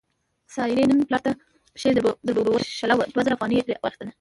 سارې نن پلار ته پښې دربولې، شله وه دوه زره افغانۍ یې ترې واخستلې.